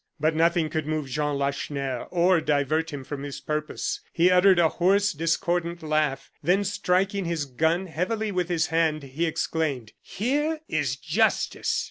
But nothing could move Jean Lacheneur, or divert him from his purpose. He uttered a hoarse, discordant laugh, then striking his gun heavily with his hand, he exclaimed: "Here is justice!"